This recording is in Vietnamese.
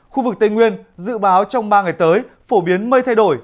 khu vực tây nguyên dự báo trong ba ngày tới phổ biến mây thay đổi